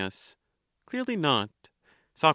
Clearly not. Soc.